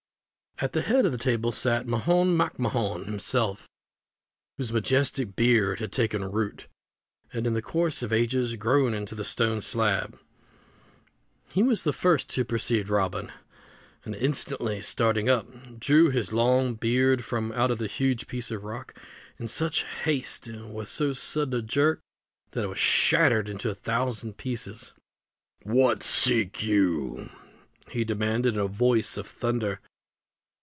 At the head of this table sat Mahon MacMahon himself, whose majestic beard had taken root, and in the course of ages grown into the stone slab. He was the first who perceived Robin; and instantly starting up, drew his long beard from out the huge piece of rock in such haste and with so sudden a jerk that it was shattered into a thousand pieces. "What seek you?" he demanded in a voice of thunder.